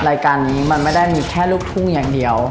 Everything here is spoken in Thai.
รายการนี้มันไม่ได้มีแค่ลูกทุ่งอย่างเดียว